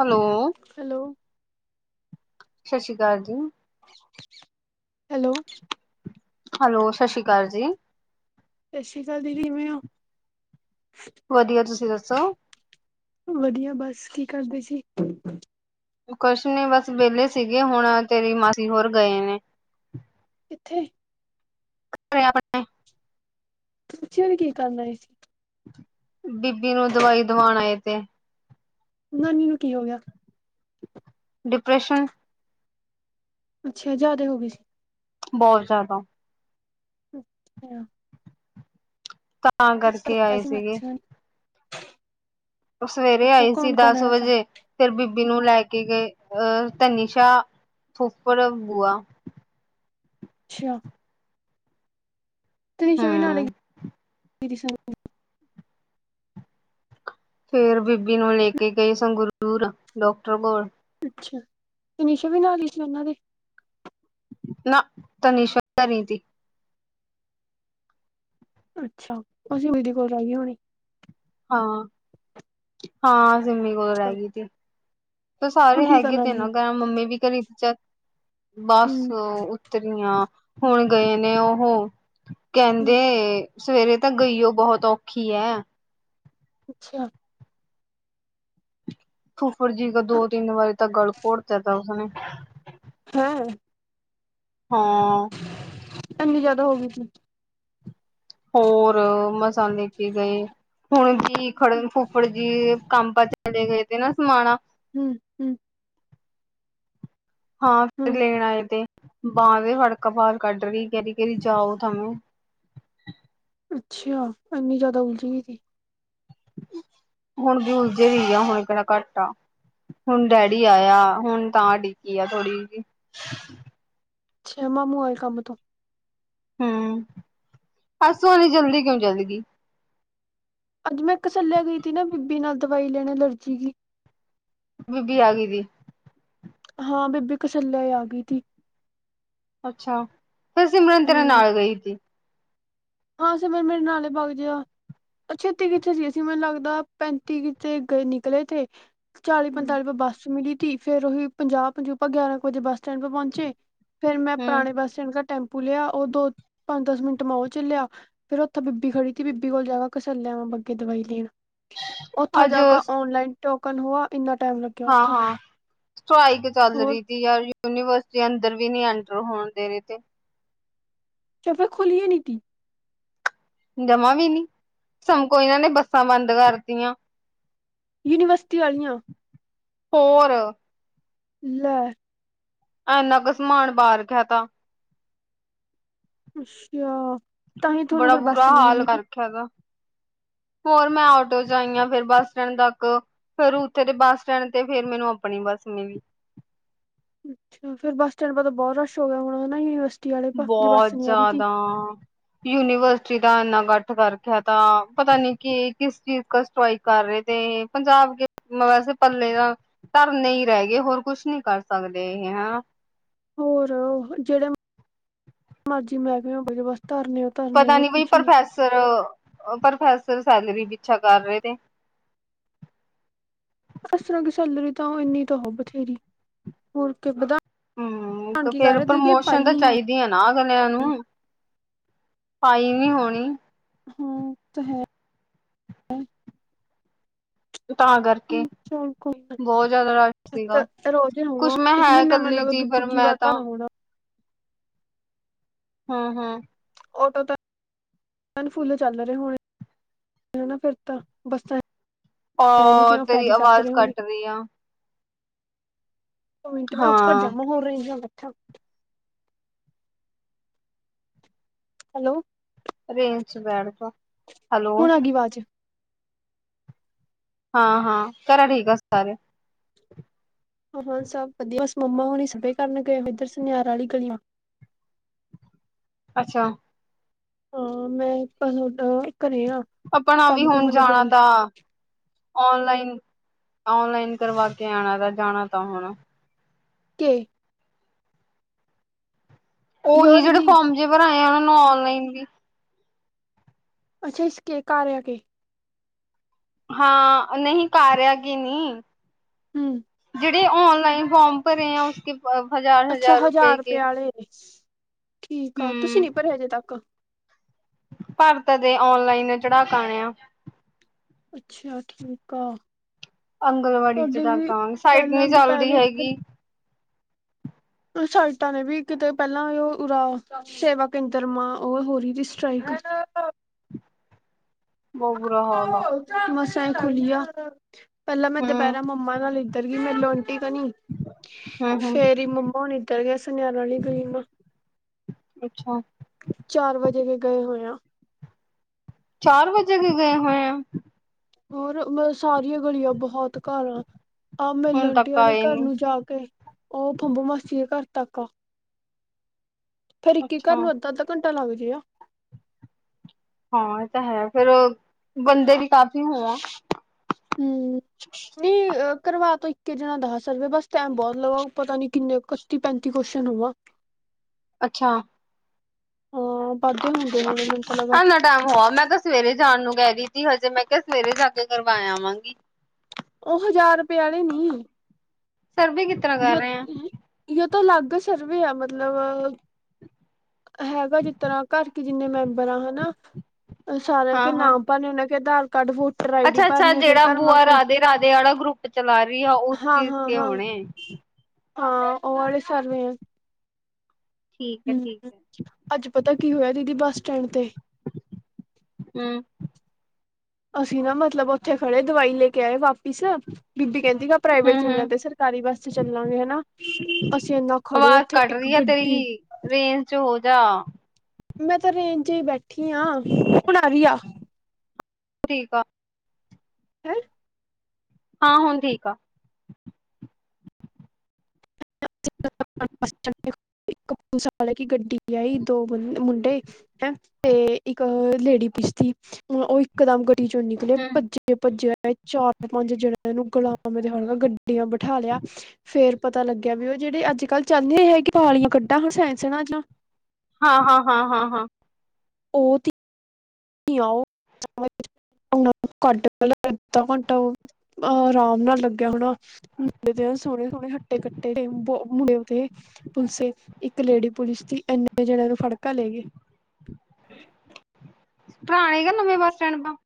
Hello. Hello. ਸਤਿ ਸ਼੍ਰੀ ਅਕਾਲ ਜੀ। Hello. Hello ਸਤਿ ਸ਼੍ਰੀ ਅਕਾਲ ਜੀ। ਸਤਿ ਸ਼੍ਰੀ ਅਕਾਲ ਦੀਦੀ ਕਿਵੇਂ ਹੋ। ਵਧੀਆ ਤੁਸੀਂ ਦੱਸੋ। ਵਧੀਆ ਬਸ ਕੀ ਕਰਦੇ ਸੀ। ਕੁਛ ਨੀ ਬਸ ਵਿਹਲੇ ਸੀਗੇ ਹੁਣ ਤੇਰੀ ਮਾਸੀ ਹੋਰ ਗਏ ਨੇ। ਕਿੱਥੇ। [unintelligible] ਪੁੱਛਿਆ ਨੀ ਕੀ ਕਰਨ ਆਏ ਸੀ। ਬੀਬੀ ਨੂੰ ਦਵਾਈ ਦਵਾਣ ਆਏ ਸੀ। ਨਾਨੀ ਨੂੰ ਕੀ ਹੋ ਗਿਆ। ਡਿਪ੍ਰੈਸ਼ਨ। ਅੱਛਾ ਜ਼ਿਆਦਾ ਹੋ ਗਏ ਸੀ। ਬਹੁਤ ਜ਼ਿਆਦਾ। ਅੱਛਾ [unintelligible] ਤਾਂ ਕਰਕੇ ਆਏ ਸੀਗੇ। [unintelligible] ਸਵੇਰੇ ਅੱਛਾ, ਆਏ ਸੀ ਕੌਣ ਕੌਣ ਦੱਸ ਆਇਆ ਥਾ? ਵਜੇ। ਫਿਰ ਬੀਬੀ ਨੂੰ ਲੈ ਕੇ ਗਏ ਅਹ ਤਨੀਸ਼ਾ ਫੁਫੜ ਬੂਆ। ਅੱਛਾ। ਤੀਨਸ਼ਾ ਵੀ ਨਾਲੇ ਹੂੰ ਗਈ [unintelligible] ਫੇਰ ਬੀਬੀ ਨੂੰ ਲੈ ਕੇ ਗਏ ਸੰਗਰੂਰ ਡਾਕਟਰ ਕੋਲ। ਅੱਛਾ ਤਨਿਸ਼ਾ ਵੀ ਨਾਲ ਹੀ ਸੀ ਉਹਨਾਂ ਦੇ। ਨਾ ਤਨਿਸਾ ਤਾਂ ਨਹੀ ਸੀ। ਅੱਛਾ ਉਹ ਸਿੰਮੀ ਦੀ ਕੋਲ ਰਹਿ ਗਏ ਹੋਣੀ। ਹਾਂ-ਹਾਂ ਸਿੰਮੀ ਕੋਲ ਅੱਛਾ ਰਹਿ ਗਈ ਸੀ। ਸਾਰੇ ਹੁਣ ਕੀ ਹੈਗੇ ਕਰਨ ਤੇ ਆਈ ਨਾ ਘਰਾਂ ਮੰਮੀ ਵੀ ਘਰੇ ਚਲ ਬਸ। ਹੂੰ ਤਰੀਆਂ ਹੁਣ ਗਏ ਨੇ ਉਹੋ ਹੂੰ ਕੈਂਦੇ ਸਵੇਰੇ ਤਾਂ ਗਈ ਉ ਬੋਤ ਔਖੀ ਐ। ਅੱਛਾ। ਫੂਫਰ ਜੀ ਕਾ ਦੋ ਤਿੰਨ ਵਾਰੀ ਤ ਗਲ ਘੋੜ ਦਿੱਤਾ ਉਸਨੇ। ਹੈਂ। ਹਾਂ। ਏਨੀ ਜਾਦਾ ਹੋ ਗਈ ਸੀ। ਹੋਰ ਮਸ ਸਾ ਲੈ ਕੇ ਗਏ, ਹੁਨ ਕੀ ਖੜਨ ਫੁੱਫੜ ਜੀ ਕੰਮ ਪੇ ਚਲੇ ਗਏ ਤੇਰਾ ਸਮਾਨ ਆ। ਹੂੰ-ਹੂੰ ਹਾਂ ਫ ਹੂੰ ਲੈਣ ਆਏ ਤੇ ਬਾਂਹ ਵੀ ਫੜਕੇ ਬਾਰ ਕੱਢ ਰਹੀ ਕੈਰੀ ਜਾਓ ਥਾੳ। ਅੱਛਾ, ਇੰਨੀ ਜਾਦਾ ਉਲਝ ਗਈ ਥੀ। ਹੁਨ ਵੀ ਊਲਝੀ ਹੁਈਆ ਹੁਨ ਕੇੜਾ ਘੱਟ ਆ। ਹੁਨ ਡੈਡੀ ਆਇਆ ਹੁਨ ਤਾਂ ਟਿਕੀ ਆ ਥੋੜੀ ਜਿ ਅੱਛਾ ਮਾਮੂੰ ਆਏ ਕੰਮ ਤੋਂ ਹੂੰ, ਪਰਸੋਂ ਏਨੀ ਜਲਦੀ ਕਿਉਂ ਚਲਗੀ। ਅੱਜ ਮੈਂ ਇਕਸੱਲਿਆ ਗਈ ਸੀ ਥੀ ਨਾ ਬੀਬੀ ਨਾਲ ਦਵਾਈ ਲੈਨੇ ਐਲਰਜੀ ਕੀ। ਬੀਬੀ ਆਗੀ ਥੀ। ਹਾਂ ਬੀਬੀ ਕਸੱਲਿਆ ਈ ਆ ਗਈ ਥੀ। ਅੱਛਾ, ਫੇਰ ਸਿਮਰਨ ਤੇਰੇ ਹੂੰ। ਨਾਲ ਗਈ ਤੀ। ਹਾਂ, ਸਿਮਰਨ ਮੇਰੇ ਨਾਲੇ ਬਾੳ ਜੀ ਆ ਛੇਤੀ ਕਿੱਥੇ ਸੀ ਅਸੀਂ ਮੈਨੂੰ ਲੱਗਦਾ ਪੈਂਤੀ ਕਿੱਤੇ ਗਏ ਨਿਕਲੇ ਥੇ। ਚਾਲੀ ਹੂੰ, ਪੰਤਾਲੀ ਪਰ ਬੱਸ ਮਿਲੀ ਤੀ ਫੇਰ ਉਹੀ ਪੰਜਾਹ ਪੰਜੂਾਂ ਗਿਆਰਾਂ ਕੁ ਵਜੇ ਬੱਸ ਸਟੈਂਡ ਪੇ ਪਹੁੰਚੇ। ਫੇਰ ਮੈਂ ਪੁਰਾਣੇ ਬੱਸ ਸਟੈਂਡ ਕ ਟੈਂਪੂ ਲਿਆ ਉ ਦੋ ਪੰਜ ਦਸ ਮਿੰਟ ਮੈਂ ਉ ਚੱਲਿਆ। ਫੇਰ ੳਥੇ ਬੀਬੀ ਖੜੀ ਤੀ ਬੀਬੀ ਕੋਲ ਜਾਵਾ, ਕਸੱਲਿਆ ਵਾਂ ਬਾਗੇ ਦਵਾਈ ਲੈਣ। ਉਥਾ ਅੱਜ ਜਾ ਕੇ ਔਨਲਾਈਨ ਟੋਕਨ ਹੋਆ ਇਨਾ ਟੈਮ ਹਾਂ- ਹਾਂ, ਸਵਾ ਈਕ ਚੱਲ ਹੋਰ। ਰੀ। ਯਾਰ, ਯੂਨੀਵਰਸਿਟੀ ਅੰਦਰ ਵੀ ਨੀ ਐਂਟਰ ਹੋਨ ਦੇ ਰਏ ਤੇ। ਤ ਫੇਰ ਖੁਲੀਏ ਨੀ ਤੀ। ਜਮਾਂ ਵੀ ਨੀ, ਸ਼ਾਮ ਕੋੋ ਇਨਾਂ ਨੇ ਬੱਸਾਂ ਬੰਦ ਕਰਤੀਆਂ। ਯੂਨੀਵਰਸਿਟੀ ਵਾਲੀਆਂ। ਹੋਰ। ਲੈ। ਐਨਾ ਕੁ ਸਮਾਨ ਬਾਰ ਰਖੇਆ ਤਾ। ਅੱਛਾ, ਤਾਂਹੀ ਤੁਹਾਨੂੰ ਬੜਾ ਫੇਰ ਬੁਰਾ ਬੱਸ ਨੀ ਹਾਲ ਮਿਲੀ। ਕਰ ਹੈ। ਹੋਰ, ਮੈਂ ਆਟੋ ਚ ਆਈ ਆ ਫੇਰ ਬੱਸ ਸਟੈਂਡ ਤੱਕ। ਫੇਰ ਉੱਥੇ ਦੇ ਬੱਸ ਸਟੈਂਡ ਤੇ ਫੇਰ ਮੈਨੂੰ ਆਪਣੀ ਬੱਸ ਮਿਲੀ। ਅੱਛਾ, ਫੇਰ ਬਸ ਸਟਡਾਂ ਤਾਂ ਬਹੁਤ ਰਸ਼ ਹੋ ਗਿਆ ਹੋਣਾ ਨਾ ਯੂਨੀਵਸ ਬੋਤ ਜਾਦਾ। ਯੂਨੀਵਰਸਿਟੀ ਦਾ ਇੰਨਾ ਇਕੱਠ ਕਰ ਰਖੇਆ ਤਾ, ਪਤਾ ਨੀ ਕਿ ਕਿਸ ਚੀਜ਼ ਕਾ ਸਟ੍ਰਈਕ ਕਰ ਰਏ ਤੇ, ਪੰਜਾਬ ਵੈਸੇ ਪੱਲੇਆ ਧਰਨੇ ਈ ਰੈ ਗਏ, ਹੋਰ ਕੁਛ ਨੀ ਕਰ ਸਕਦੇ ਇਹ ਹਨਾ। ਹੋਰ ਜੇੜੇ ਮਰਜ਼ੀ ਮਹਿਕਮੇ ਬਸ ਧਰਨੇ ਧਰਨੇ ਪਤਾ ਹੋਰ ਨੀ ਬਈ ਕੁਛ ਨਹੀਂ ਪ੍ਰੋਫੈਸਰ- ਪ੍ਰੋਫੈਸਰ ਸੈਲਰੀ ਪਿੱਛਾ ਕਰ ਰਏ ਤੇ। ਅਫਸਰ ਕੀ ਸੈਲਰੀ ਤਾਂ ਉਹ ਇੰਨੀ ਤਾਂ ਉਹ ਬਥੇਰੀ ਹੋਰ, ਕਿ ਵਧਾਣੀ। ਹੂੰ ਫੇਰ ਪ੍ਰਮੋਸ਼ਨ ਤਾਂ ਨਹੀਂ ਹੁਣ ਚਾਹੀਦਾ। ਜਾਂ ਨਾ ਗਣਿਆਂ ਨੂੰ ਪਾਈ ਨੀ ਹੋਣੀ। ਹਾਂ ਓ ਤਾਂ ਹੈ। ਤਾਂ ਹਮ, ਕਰਕੇ। ਚੱਲ ਕੋਈ ਨਾ ਬਹੁਤ ਜ਼ਿਆਦਾ ਰਸ਼ ਸੀਗਾ ਰੋਜ਼ ਹੋਵਾਂ ਕੁਛ ਮੈਂ ਇਸ ਹੈ ਮਹੀਨੇ ਮੈਨੂੰ ਕਲੀ ਲੱਗਦਾ ਤੀ ਦੂਜੀ ਪਰ ਤੀਜੀ ਮੈਂ ਵਾਰ ਤਾਂ। ਧਰਨਾ ਹੋਣਾ ਹੂੰ ਹੂੰ ਆਟੋ ਤਾਂ ਫੇਰ ਫੁੱਲ ਚੱਲ ਰਹੇ ਹੋਣੇ ਹਨਾ, ਫਿਰ ਤਾਂ ਬੱਸਾਂ। ਹੈ ਨੀ ਉਹ ਤੀਆ ਤੇਰੀ ਫਾਇਦੇ ਚੱਕ ਆਵਾਜ਼ ਰਹੇ ਹੋਣੇ ਕੱਟ ਰਹੀ ਆ। ਇੱਕ ਮਿੰਟ ਮੈ ਉਪਰ ਹਾਂ ਜਾਂ ਬੋ ਰਹੀ ਹਾਂ। ਹੈਲੋ। ਰੇਂਜ ਚ ਬੈਠਦਾ। ਹੁਣ ਆ ਗਈ ਆਵਾਜ਼। ਹਾਂ -ਹਾਂ, ਘਰੇ ਠੀਕ ਆ ਸਾਰੇ। ਹਾਂ, ਸਭ ਵਧੀਆ। ਬਸ ਮੰਮਾ ਹੁਣੀ ਸਪਰੇ ਕਰਨ ਗਏ ਇੱਧਰ ਸੁਨਿਆਰ ਵਾਲੀ ਗਲੀਆਂ। ਅੱਛਾ। ਅ ਮੈਂ ਪੰਜ ਮਿੰਟ ਘਰੇ ਆ। ਆਪਣਾ ਵੀ ਕੰਮ ਹੁਣ ਕੁਮ ਜਾਣਾ ਨਿਬੇੜ ਤਾ ਓਨਲਾਈਨ। ਔਨਲਾਈਨ ਕਰਵਾ ਕੇ ਆਣਾ ਤਾ ਜਾਣਾ ਤਾਂ ਹੁਣ। ਕੇ। ਉਹੀ ਯਾਰ ਜਿਹੜੇ ਹੀ ਫੋਰਮ ਜੇ ਭਰਾਏ ਆ, ਉਹਨਾਂ ਨੂੰ ਔਨਲਾਈਨ ਵੀ। ਅੱਛਾ ਇਸ ਕੇ ਕਾਰਿਆ ਕੇ। ਹਾਂ ਨਹੀਂ ਕਾਰਿਆ ਕੇ ਨੀ। ਹੂੰ ਜਿਹੜੇ ਔਨਲਾਈਨ ਫੋਮ ਭਰੇ ਹੈ, ਉਸ ਕੇ ਹਜ਼ਾਰ -ਹਜ਼ਾਰ ਰੁਪਏ ਕੇ। ਅਜੇ ਨੀ ਠੀਕ ਆ, ਤੁਸੀਂ ਹੂੰ ਨੀ ਭਰੇ ਹਜੇ ਤੱਕ। ਭਰ ਤਾਂ ਦੇ ਔਨਲਾਈਨ ਚੜਾ ਕੇ ਆਣੇ ਆ। ਅੱਛਾ ਠੀਕ ਆ, ਆਂਗਣਵਾੜੀ ਚ ਤੁਹਾਡੇ ਡਾਕ ਵੀ ਆਵਾਂਗੇ ਸਾਈਟ ਪਹਿਲਾਂ ਨੀ ਚੱਲਦੀ ਦੁਪਹਿਰੇ ਇੱਧਰ। ਹੈਗੀ ਸਾਈਟਾਂ ਨੇ ਵੀ ਕਿਤੇ ਪਹਿਲਾਂ ਉਹ ਉਰਾ ਸੇਵਾ ਕੇਂਦਰਾ ਮਾਂ ਉਹ ਹੋ ਰਹੀ ਸੀ ਸਟਰਾਈਕ [unintelligible] ਬੋ ਬੁਰਾ ਹਾਲ ਆ ਮਸਾ ਈ ਖੁਲੀ ਆ ਪਹਿਲਾਂ ਮੈਂ ਹੂੰ ਦੁਪਹਿਰਾ ਮੰਮਾ ਨਾਲ ਇੱਧਰ ਗਈ ਮੈਂਲੌ ਆਂਟੀ ਕਣੀ ਹੂੰ ਹੂੰ ਫੇਰ ਈ ਮੰਮਾ ਹੁਨੀ ਇੱਧਰ ਗਏ ਸੁਨਿਆਰਾ ਆਲੀ ਗਲੀ ਮਾ ਅੱਛਾ ਚਾਰ ਵਜੇ ਦੇ ਗਏ ਹੋਏ ਆ ਚਾਰ ਵਜੇ ਦੇ ਗਏ ਹੋਏ ਆ ਹੋਰ ਮੈਂ ਸਾਰੀਆਂ ਗਲੀਆਂ ਬਹੁਤ ਘਰ ਆ ਆਹ ਹੁਣ ਮਿਲਣ ਡ ਤੱਕ ਵਾਲੇ ਆਏ ਘਰ ਨੀ ਨੂੰ ਜਾ ਕੇ ਉਹ ਬੋਬ ਮਾਸੀਏ ਘਰ ਤੱਕ ਫੇਰ ਇੱਕ ਹੀ ਘਰ ਅੱਛਾ ਨੂੰ ਅੱਧਾ ਅੱਧਾ ਘੰਟਾ ਲੱਗ ਰਿਆ ਹਾਂ ਇਹ ਤਾਂ ਹੈ ਫੇਰ ਬੰਦੇ ਵੀ ਕਾਫੀ ਹੋ ਆਂ ਹੂੰ ਨਈ ਕਰਵਾ ਤਾਂ ਇੱਕੇ ਜਣਾ ਦਸ ਸਕਦਾ ਬਸ ਟਾਈਮ ਬਹੁਤ ਲਗਾ ਪਤਾ ਨੀ ਕਿੰਨੇ ਕ ਤੀਹ ਪੈਂਤੀ ਕੋਸਨ ਹੋਵਾਂ ਅੱਛਾ ਹਾਂ ਵਾਧੇ ਹੁੰਦੇ ਹੋਣੇ ਮੈਨੂੰ ਤਾਂ ਲਗਾ ਆ ਲੈ ਟੈਮ ਹੋਆ, ਮੈਂ ਤਾਂ ਸਵੇਰੇ ਜਾਨ ਨੂੰ ਕਹਿ ਗਈ ਸੀ ਹਜੇ। ਮੈਂ ਕਿਆ ਸਵੇਰੇ ਜਾ ਕੇ ਕਰਵਾਇ ਆਵਾਂਗੀ। ਓਹ ਹਜਾਰ ਰੁਪਏ ਆਲੀ ਨਈ। ਸਰਵੇ ਕੀਤ ਯੋ ਤ ਯੇ ਤੋ ਲਗ ਸਰਵੇ ਐ, ਮਤਲਬ ਹੈਗਾ ਜਿਸ ਤਰ੍ਹਾਂ ਘਰ ਕੀ ਜਿੰਨੇ ਮੈਂਬਰਾਂ ਹੈਨਾ ਸਾਰਿਆਂ ਹਾਂ ਕੇ ਹਾਂ ਨਾਮ ਭਰਨੇ ਓਹਨਾਂ ਕੇ Aadhaar card, voter I D ਅੱਛਾ ਅੱਛਾ ਭਰਨੀ ਆ ਫਿਰ ਜਿਹੜਾ ਕਰਮਾ ਬੂਆ ਕੋਈ ਰਾਧੇ ਰਾਧੇ ਵਾਲਾ ਗਰੁੱਪ ਚਲਾ ਰਹੀ ਐ, ਉਸ ਹਾਂ ਚੀਜ਼ ਹਾਂ ਕੇ ਹਾਂ ਹੋਣੇ ਹਾਂ, ਓਹ ਵਾਲੇ ਸਰ ਵੀ ਐ। ਠੀਕ ਹੈ ਠੀਕ ਹੂੰ, ਹੈ ਅੱਜ ਪਤਾ ਕੀ ਹੋਇਆ ਦੀਦੀ, ਬੱਸ ਸਟੈਂਡ ਤੇ। ਹੂੰ ਅਸੀਂ ਨਾ ਮਤਲਬ ਓਥੇ ਖੜੇ ਦਵਾਈ ਲੇ ਕੇ ਆਏ ਵਾਪਿਸ, ਬੀਬੀ ਕੈਂਦੀ ਗਾ ਪ੍ਰਾਈਵੇਟ ਚ ਹਮ ਨੀ ਹਮ ਜਾਂਦੇ, ਸਰਕਾਰੀ ਬੱਸ ਤੇ ਚੱਲਾਂਗੇ, ਹਨਾ। ਅਸੀਂ ਇੰਨਾ ਖੜੇ ਆਵਾਜ਼ ਓਥੇ ਕੱਟ ਇੱਕ ਰਹੀ ਹੈ ਗੱਡੀ ਤੇਰੀ ਰੇਂਜ ਚ ਹੋਜਾ ਮੈਂ ਤਾਂ ਰੇਂਜ ਚ ਈ ਬੈਠੀ ਆਂ। ਹੁਨ ਆਰੀ ਆ? ਠੀਕ ਆ ਹੈਂ? ਹਾਂ ਹੁਨ ਠੀਕ ਆ। ਇੱਕ ਪੁਲਿਸ ਆਲੇ ਕੀ ਗੱਡੀ ਆਈ, ਦੋ ਮੁੰਡੇ ਹੈਂ ਤੇ ਇੱਕ ਹੋਰ ਲੇਡੀ ਪੁਲਿਸ ਥੀ, ਓਹ ਇਕਦਮ ਗੱਡੀ ਚੋਂ ਨਿਕਲੇ, ਹਮ ਭੱਜੇ-ਭੱਜੇ ਆਏ, ਚਾਰ-ਪੰਜ ਜਣਿਆਂ ਨੂੰ ਗੁਲਾਮ ਤੇ ਹੜ ਗੱਡੀ ਬਿਠਾ ਲਿਆ ਫੇਰ ਪਤਾ ਲੱਗ ਕੈਂਦੇ ਜੇੜੇ ਅੱਜ ਕੱਲ੍ਹ ਚੱਲਦੇ ਹੈਗੇ ਪਾਲੀਆਂ ਕੱਢਾਂ ਸੈਂਸਰਾ ਜਿਆਂ ਹਾਂ ਹਾਂ ਹਾਂ ਹਾਂ ਹਾਂ ਓਹ ਤਿ [inaudible] ਅ ਆਰਾਮ ਨਾਲ ਲੱਗਿਆ ਹੋਨਾ [inaudible] ਸਾਰੇ ਹੱਟੇ-ਕੱਟੇ ਸੇ ਮੁੰਡੇ ਥੇ। ਪੁਲਿਸੇ ਇੱਕ ਲੇਡੀ ਪੁਲਿਸ ਦੀ ਐਨੇ ਜਣਿਆਂ ਨੂੰ ਫੜਕਾ ਲੇ ਗਏ। ਪੁਰਾਣੇ ਯਾ ਨਵੇਂ ਬੱਸ ਸਟੈਂਡ ਤੋਂ?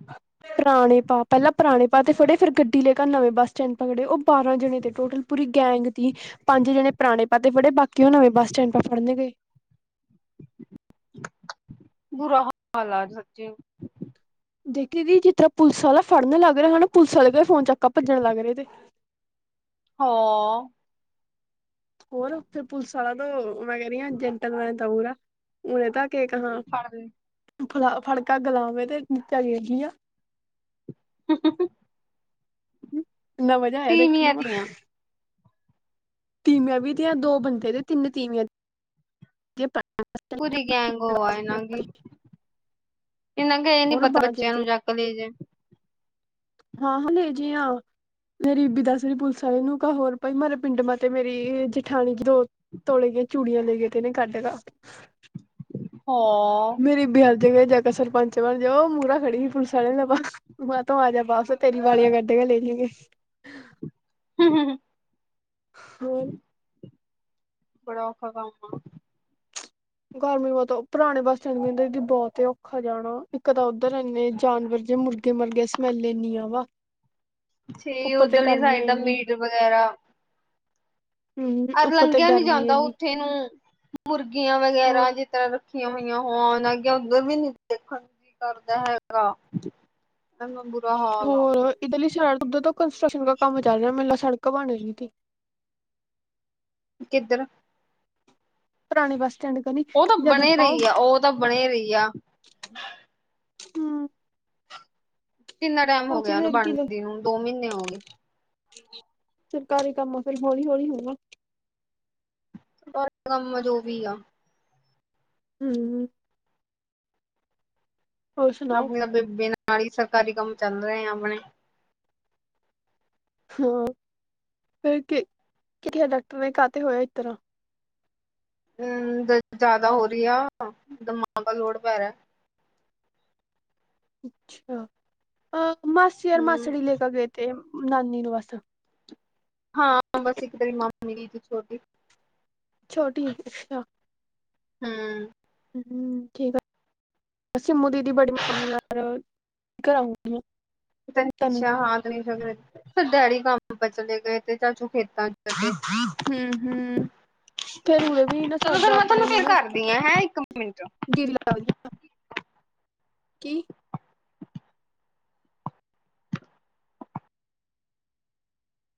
[unintelligible] ਪੁਰਾਣੇ ਪਾਅ ਪੈਲਾਂ ਪੁਰਾਣੇ ਪਾ ਤੇ ਫੜੇ, ਫਿਰ ਗੱਡੀ ਲੈ ਕੇ ਨਵੇਂ ਬੱਸ ਸਟੈਂਡ ਪਕੜੇ। ਓਹ ਬਾਰਾਂ ਜਣੇ ਥੇ ਟੋਟਲ। ਪੂਰੀ ਗੈਂਗ ਥੀ। ਪੰਜ ਜਣੇ ਪੁਰਾਣੇ ਪਾ ਤੇ ਫੜੇ ਬਾਕੀ ਓਹ ਨਵੇਂ ਬੱਸ ਸਟੈਂਡ ਪਾ ਫੜਨ ਗਏ। ਬੁਰਾ ਹਾਲ ਐ, ਸੱਚੀ। ਦੇਖੀ ਦੀ, ਜਿਸ ਤਰ੍ਹਾਂ ਪੁਲਸ ਆਲਾ ਫੜਨ ਲੱਗ ਰਿਆ ਨਾ, ਪੁਲਿਸ ਆਲੇ ਕੇ ਫੋਨ ਚੱਕ ਕੇ ਭੱਜਣ ਲੱਗ ਰਏ ਥੇ। ਹਾ ਹੋਰ, ਓਥੇ ਪੁਲਿਸ ਆਲਾ ਤੋਂ ਮੈਂ ਕੈਹ ਰਈ ਆਂ ਜੈਂਟਲ ਮੈਨ ਥਾ ਪੂਰਾ। ਉਰੇ ਤਕ ਕੇਕ ਹਾਂ ਫੜਦੇ ਫਲਾ ਫੜਕਾ ਗਲਾਵੇ ਤੇ ਧੱਕਾ ਦੇ ਦਿਆ। [inaudible] ਇਨਾ ਮਜਾ ਆਇਆ ਦੇਖਣ ਤੀਵੀਆਂ ਮਾ ਤੀਆਂ ਤੀਵੀਆਂ ਵੀ ਥੀਆਂ, ਦੋ ਬੰਦੇ ਥੇ, ਤਿੰਨ ਤੀਵੀਆਂ ਜੇ ਪਕ ਪੂਰੀ ਗੈਂਗ ਹੋਆ ਇਹਨਾਂ ਕੀ, ਇਹਨਾਂ ਕੇ ਏਹ ਨੀ ਹੋਰ ਪਤਾ ਬਾਰਾਂ ਜਣੇ ਬੱਚਿਆਂ ਤੇ ਨੂੰ ਜਾ ਕਮੀ ਜੇ ਹਾਂ-ਹਾਂ, ਲੇ ਜੀ ਆਂ ਮੇਰੀਬੀ ਦੱਸ ਰਹੀ ਪੁਲਿਸ ਵਾਲੇ ਨੂੰ ਕ ਹੋਰ ਭਾਈ ਮੇਰੇ ਪਿੰਡ ਮਾ ਤੇ ਮੇਰੀ ਪਠਾਣੀ ਦੋ ਤੋਲੇ ਦੀਆਂ ਚੂੜੀਆਂ ਲੈ ਗਏ ਤੇ ਨੇ ਕੱਢ ਲਾ। ਹੋ! ਗਰੀਬੀ ਹਲਜ ਕੇ ਜਾ ਸਰਪੰਚ ਬਣ ਜਾ, ਉਹ ਮੂਹਰਾ ਖੜੀ ਸੀ ਪੁਲਿਸ ਵਾਲੇ ਦਾ ਬਸ ਮੈਂ ਤੂੰ ਆ ਜਾ ਬਸ। ਤੇਰੀ ਵਾਲੀਆਂ ਕਢ ਕੇ ਲੈ ਜਾਂਗੇ। ਹੂੰ, ਹੂੰ, ਹੂੰ ਹੋਰ! ਬੜਾ ਔਖਾ ਕੰਮ ਆ। ਗਰਮੀ ਬਹੁਤ ਪੁਰਾਣੇ ਬੱਸ ਸਟੈਂਡ ਕਹਿੰ ਜ ਬਹੁਤ ਹੀ ਔਖਾ ਜਾਣਾ, ਇੱਕ ਤਾਂ ਉੱਧਰ ਇੰਨੇ ਜਾਨਵਰ ਜੇ ਮੁ ਅਗੇ ਮਰ ਗਿਆ ਸਮੈਲੇ ਏਨੀ ਆਵਾ। ਸਈ ਉੱਧਰਲੀ ਸਾਈਡ ਤਾਂ ਇੰਨੀ ਮੀਟਰ ਵਗੈਰਾ ਹਮ ਅਰ ਉੱਪਰ ਤੇ ਲੰਘਿਆ ਨੀ ਗਰਮੀ ਜਾਂਦਾ ਇੰਨੀ ਉੱਥੇ ਨੂੰ, ਮੁਰਗੀਆਂ ਹੋਰ ਵਗੈਰਾ ਜਿਸ ਤਰ੍ਹਾਂ ਰੱਖੀਆਂ ਹੋਈਆਂ। ਹੋਣ ਅੱਗੇ ਉੱਧਰ ਵੀ ਨੀ ਦੇਖਣ ਕੀ ਕਰਦਾ ਹੈਗਾ। ਐਵੇਂ ਬੁਰਾ ਹਾਲ ਆ ਹੋਰ ਇੱਧਰ ਲਈ ਸ਼ ਉੱਧਰ ਤੋਂ ਕੰਸਟਰਕਸ਼ਨ ਕੰਮ ਚੱਲ ਰਿਹਾ ਮੇਲਾ ਸੜਕ ਬਣ ਰਹੀ ਥੀ। ਕਿੱਧਰ? ਪੁਰਾਣੇ ਬੱਸ ਸਟੈਂਡ ਕਨੀ। ਓ ਤਾਂ ਜਦ ਬਣੇ ਆਪਾਂ ਰਹੀ ਆ, ਉਹ ਤਾਂ ਬਣੇ ਰਹੀ ਆ। ਹੂੰ ਕਿੰਨਾ ਟਾਈਮ ਹੋ ਕਾਫੀ ਗਿਆ ਉਹਨੂੰ ਦੇਰ ਕੀ ਬਣਦੀ ਨੂੰ, ਦੋ ਮਹੀਨੇ ਹੋ ਗਏ। ਸਰਕਾਰੀ ਕੰਮਾਂ ਫਿਰ ਹੌਲੀ -ਹੌਲੀ ਹੋਊਗਾ। ਪਰ ਕੰਮ ਜੋ ਵੀ ਆ, ਹੂੰ। ਹੋਰ ਸੁਣਾਓ ਆਪਣੀ ਤਾਂ ਬੀਬੇ ਨਾਲ ਹੀ ਸਰਕਾਰੀ ਕੰਮ ਚੱਲ ਰਹੇ ਆ ਆਪਣੇ। ਹਾਂ ਫਿਰ ਥੇ ਡਾਕਟਰ ਨੇ ਘਰ ਤੇ ਹੋਇਆ ਇਸ ਤਰ੍ਹਾਂ। ਹੂੰ, ਜ਼ਿਆਦਾ ਹੋ ਰਹੀ ਆ, ਦਿਮਾਗ ਦਾ ਲੋੜ ਪੈ ਰਿਹਾ। ਅੱਛਾ, ਅਹ ਮਾਸੀ ਔਰ ਹਮ, ਮਾਸੜੀ ਲੇ ਕੇ ਗਏ ਤੇ ਨਾਨੀ ਨੂੰ ਬਸ। ਹਾਂ ਬਸ ਇੱਕ ਤੇਰੀ ਮੰਮੀਲੀ ਤੇ ਛੋਟੀ ਛੋਟੀ, ਆਹ ਹਮ ਹਮ ਠੀਕ ਆ ਸਿਮੂ ਦੀਦੀ ਬੜੀ ਮਾਮੀ ਯਾਰ ਕਰਾਂਗੀ। ਛਿਆ ਹਾਂ ਨ ਡੈਡੀ ਕੰਮ ਚਲੇ ਗਏ ਤੇ ਚ ਚ ਖੇਤਾਂ 'ਚ ਹੂੰ ਹੂੰ ਫੇਰ ਉਰੇ ਵੀ ਨਾ ਚਲੋ ਫਿਰ ਸਰਦਾ ਮੈਂ ਤੁਹਾਨੂੰ ਫਿਰ ਕਰ ਦੀ ਆਂ ਹੈ ਇੱਕ ਮਿੰਟ। ਦੀਿਲ ਲ ਵਧਆ ਕੀ?